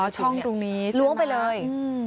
ช่องตรงนี้ล้วงไปเลย